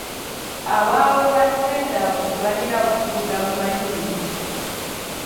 Abaaweebwa ttenda abo tebaalina bukugu na bumanyirivu.